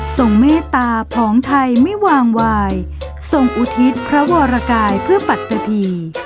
เมตตาผองไทยไม่วางวายทรงอุทิศพระวรกายเพื่อปัตตะพี